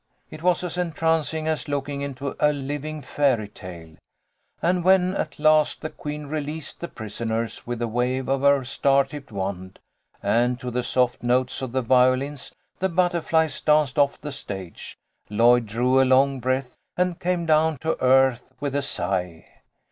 It was as entrancing as looking into a living fairy tale, and when at last the queen released the prisoners with a wave of her star tipped wand, and to the soft notes of the violins, the butterflies danced off the stage, Lloyd drew a long breath and came down to earth with a sigh.